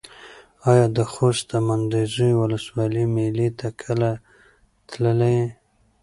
ایا د خوست د منډوزیو ولسوالۍ مېلې ته کله تللی یې؟